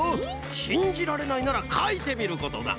しんじられないならかいてみることだ。